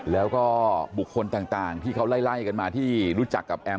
แล้วก็บุคคลต่างที่เขาไล่กันมาที่รู้จักกับแอม